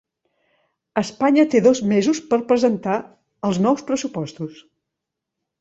Espanya té dos mesos per presentar els nous pressupostos